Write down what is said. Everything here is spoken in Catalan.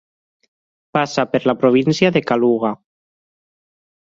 Passa per la província de Kaluga.